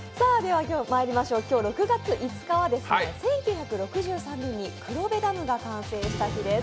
今日６月５日は１９６３年に黒部ダムが完成した日です。